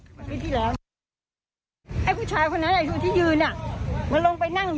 ถึงช่วงที่รถออกไปประมาณชักไม่ถึงป้าย